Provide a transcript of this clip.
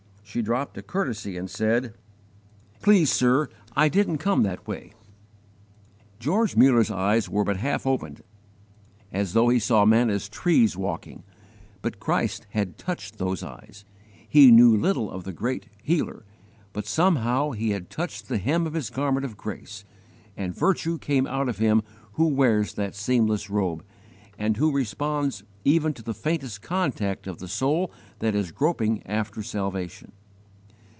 she dropped a courtesy and said, "Please, sir, I didn't come that way!" George Muller's eyes were but half opened, as though he saw men as trees walking; but Christ had touched those eyes, He knew little of the great Healer, but somehow he had touched the hem of His garment of grace, and virtue came out of Him who wears that seamless robe, and who responds even to the faintest contact of the soul that is groping after salvation.